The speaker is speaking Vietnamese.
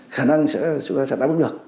khả năng chúng ta sẽ đáp ứng được